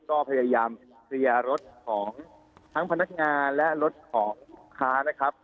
ก็พยายามเคลียร์รถของทั้งพนักงานและรถของค้านะครับ